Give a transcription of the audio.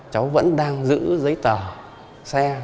cháu vẫn đang giữ giấy tờ xe